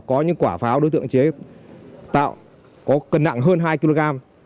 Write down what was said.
có những quả pháo đối tượng chế tạo có cân nặng hơn hai kg